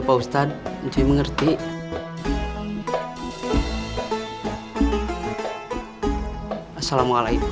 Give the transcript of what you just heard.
pasti undung undungnya tidak baik